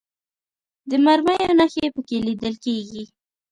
د مرمیو نښې په کې لیدل کېږي.